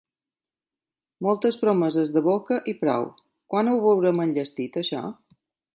Moltes promeses de boca i prou. Quan ho veurem enllestit, això?